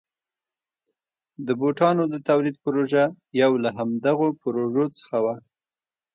د بوټانو د تولید پروژه یو له همدغو پروژو څخه وه.